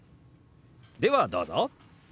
ではどうぞ！